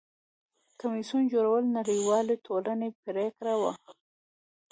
د کمیسیون جوړول د نړیوالې ټولنې پریکړه وه.